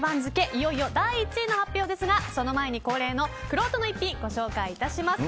いよいよ第１位の発表ですがその前に恒例のくろうとの逸品ご紹介いたします。